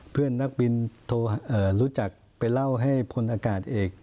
เพื่อนนักบินโทรรู้จักไปเล่าให้พลอากาศเอก